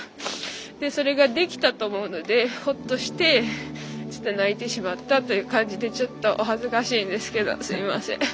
それができたと思うのでほっとして泣いてしまったという感じでちょっとお恥ずかしいですけどすみません。